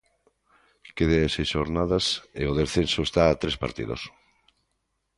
Quédanlle seis xornadas e o descenso está a tres partidos.